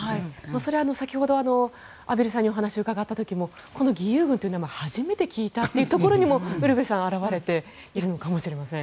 それは先ほど畔蒜さんにお話を伺った時もこの義勇軍というのは初めて聞いたというところにも表れているのかもしれません。